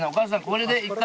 これで。